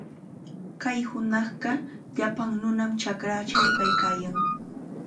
Kay hunaqqa llapan nunam chakrachaw kaykaayan.